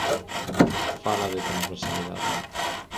Fala de transversalidade.